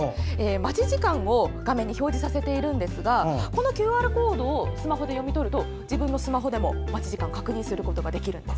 待ち時間を画面に表示させているんですがこのＱＲコードをスマホで読み取ると自分のスマホで待ち時間を確認できるようになってます。